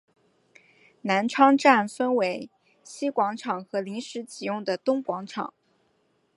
南昌站分为西广场和临时启用的东广场。